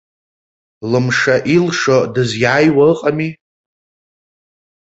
Лымша илшо, дызиааиуа ыҟами.